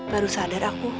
baru sadar aku